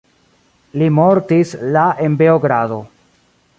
Li mortis la en Beogrado.